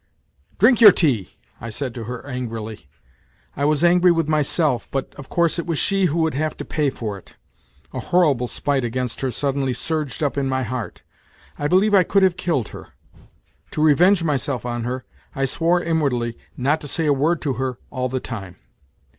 " Drink your tea," I said to her angrily. I was angry with myself, but, of course, it was she who would have to pay for it. A horrible spite against her suddenly surged up in my heart; I believe I could have killed her. To revenge myself on her I swore inwardly not to say a word to her all the time.